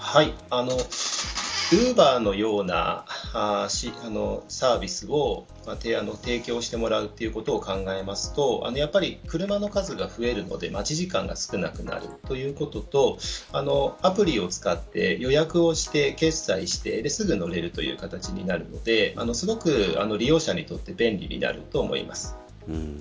ウーバーのようなサービスを提供してもらうということを考えますと車の数が増えるので待ち時間が少なくなるということとアプリを使って、予約をして決済して、すぐ乗れるという形になるのですごく利用者にとって便利になると思います。